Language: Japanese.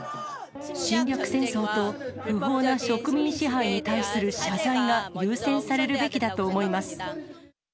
侵略戦争と不法な植民支配に対する謝罪が優先されるべきだと思います。